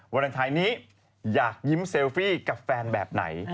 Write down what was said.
วาเลนไทยนี้อยากยิ้มเซลฟี่กับแฟนแบบไหน